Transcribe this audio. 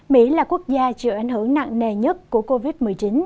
mỹ là quốc gia chịu ảnh hưởng nặng nề nhất của covid một mươi chín